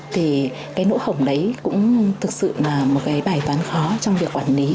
thì cái nỗ khổng đấy cũng thực sự là một cái bài toán khó trong việc quản lý